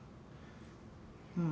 うん。